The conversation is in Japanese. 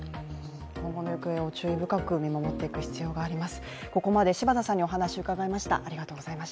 今後の動向を注意深く見守る必要があります。